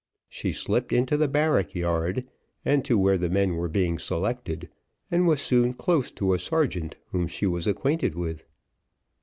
She slipped into the barrack yard, and to where the men were being selected, and was soon close to a sergeant whom she was acquainted with.